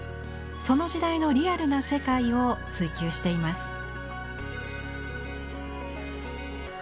その時代のリアルな世界を追求しています。